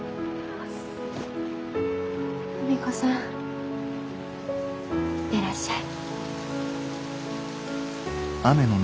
久美子さん行ってらっしゃい。